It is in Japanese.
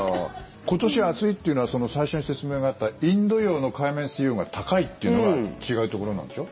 今年は暑いというのは最初に説明があったインド洋の海面水温が高いというのが違うところなんでしょ？